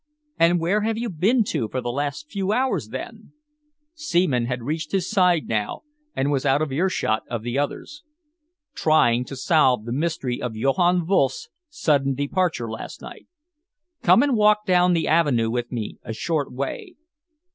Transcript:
"And where have you been to for the last few hours, then?" Seaman had reached his side now and was out of earshot of the others. "Trying to solve the mystery of Johann Wolff's sudden departure last night. Come and walk down the avenue with me a short way."